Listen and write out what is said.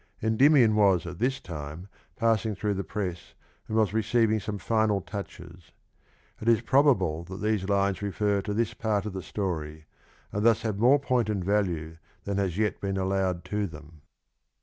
Endijminn was at this time passing through the press and was receiving some fini\l touches. It is probable that these lines refer to this part of the story, and tlius have :norc point and value than has yet been allowed tx) them.